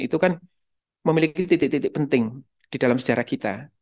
itu kan memiliki titik titik penting di dalam sejarah kita